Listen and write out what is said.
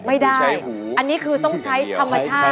ไม่ได้อันนี้คือต้องใช้ธรรมชาติ